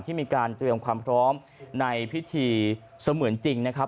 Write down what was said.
ที่มีการเตรียมความพร้อมในพิธีเสมือนจริงนะครับ